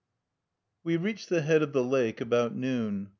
We reached the head of the lake about noon.